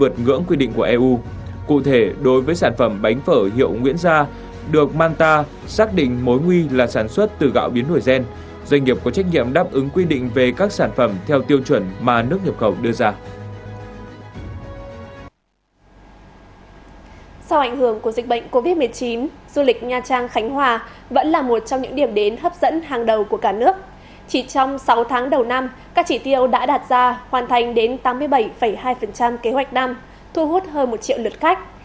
các chỉ tiêu đã đạt ra hoàn thành đến tám mươi bảy hai kế hoạch năm thu hút hơn một triệu lượt khách